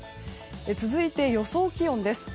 続いて、予想気温です。